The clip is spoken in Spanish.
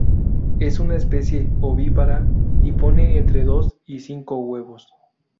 Es una especie ovípara y pone entre dos y cinco huevos.